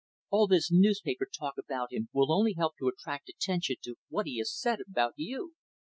All this newspaper talk about him will only help to attract attention to what he has said about _you.